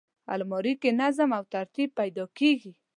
الماري کې نظم او ترتیب پیدا کېږي